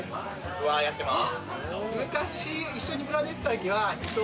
僕はやってます。